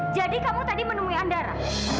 jadi kamu tadi menemui andara